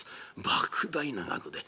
ばく大な額で。